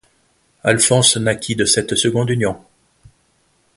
Alphonse naquit de cette seconde union.